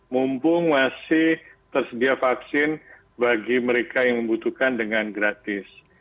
mumpung masih tersedia vaksin bagi mereka yang membutuhkan dengan gratis